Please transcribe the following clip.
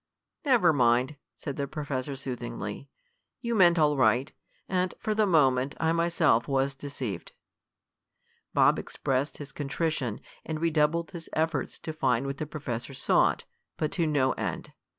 "Never mind," said the professor soothingly. "You meant all right, and, for the moment, I myself was deceived." Bob expressed his contrition, and redoubled his efforts to find what the professor sought, but to no end.